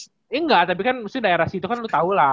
iya enggak tapi kan daerah situ kan lu tau lah